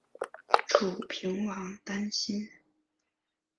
楚平王担心。